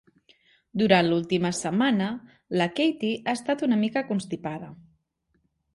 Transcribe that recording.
Durant l'última setmana, la Katie ha estat una mica constipada.